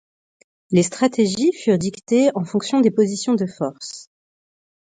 Les stratégies furent dictées en fonction des positions de force.